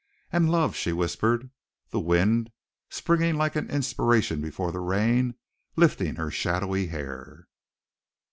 "And love," she whispered, the wind, springing like an inspiration before the rain, lifting her shadowy hair.